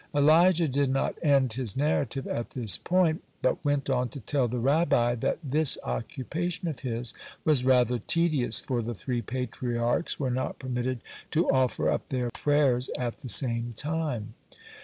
Elijah did not end his narrative at this point, but went on to tell the Rabbi, that this occupation of his was rather tedious, for the three Patriarchs were not permitted to offer up their payers at the same time.